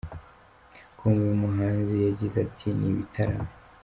com, uyu muhanzi yagize ati Ni ibitaramo.